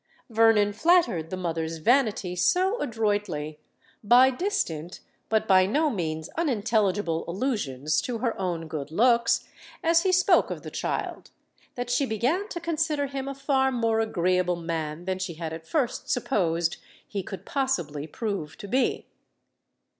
Vernon flattered the mother's vanity so adroitly, by distant but by no means unintelligible allusions to her own good looks, as he spoke of the child, that she began to consider him a far more agreeable man than she had at first supposed he could possibly prove to be.